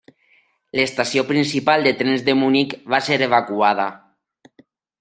L'estació principal de trens de Munic va ser evacuada.